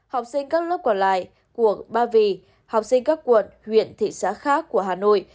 học sinh các lớp còn lại của ba vì học sinh các quận huyện thị xã khác của hà nội